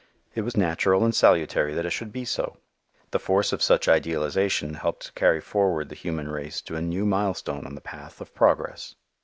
It was natural and salutary that it should be so. The force of such idealization helped to carry forward the human race to a new milestone on the path of progress.